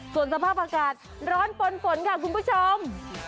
ส่วนสภาพอากาศร้อนปนฝนค่ะคุณผู้ชม